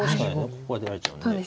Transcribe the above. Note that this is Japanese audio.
ここが出られちゃうので。